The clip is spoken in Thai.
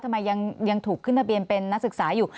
ทำไมยังถูกขึ้นทะเบียนเป็นนักศึกษาอยู่